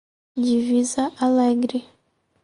Divisa Alegre